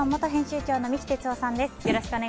そして、「婦人公論」元編集長の三木哲男さんです。